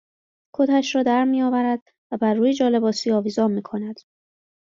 کتش را درمیآورد و بر روی جالباسی آویزان میکند